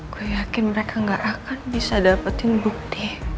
gue yakin mereka gak akan bisa dapetin bukti